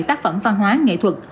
tác phẩm phan hóa nghệ thuật